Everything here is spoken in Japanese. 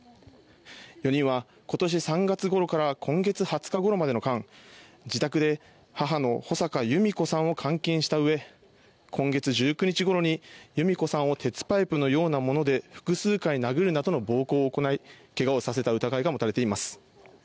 ４人は今年３月ごろから今月２０日ごろまでの間自宅で母の穂坂由美子さんを監禁したうえ今月１９日ごろに由美子さんを鉄パイプのようなもので複数回殴るなどの暴行を行いけがをさせた疑いが持たれています。